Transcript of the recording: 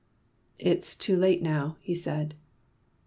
"It's too late now," he said.